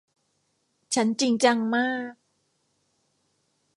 ฉันจริงจังมาก